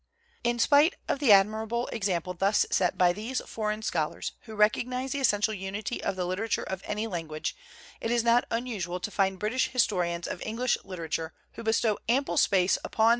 In spite of the admirable example thus set by these foreign scholars who recognize the essen tial unity of the literature of any language, it is not unusual to find British historians of Eng lish literature who bestow ample space upon the 69 WHAT IS AMERICAN LITERATURE?